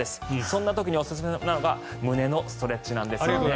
そんな時におすすめなのが胸のストレッチなんですよね。